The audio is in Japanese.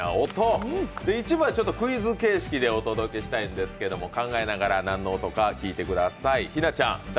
一部はクイズ形式でお届けしたいんですけど、考えながら、何の音なのか聴いてください。